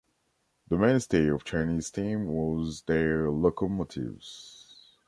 The mainstay of Chinese steam was their locomotives.